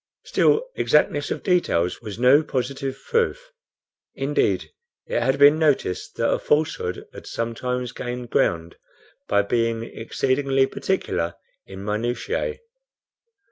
Still exactness of details was no positive proof. Indeed, it has been noticed that a falsehood has sometimes gained ground by being exceedingly particular in minutiae.